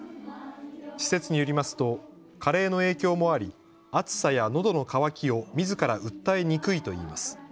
施設によりますと加齢の影響もあり暑さやのどの渇きをみずから訴えにくいといいます。